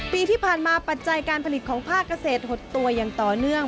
ปีที่ผ่านมาปัจจัยการผลิตของภาคเกษตรหดตัวอย่างต่อเนื่อง